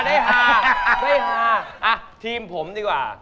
อะทีมผมดีกว่า